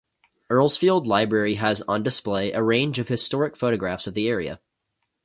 Earlsfield Library has on display a range of historic photographs of the area.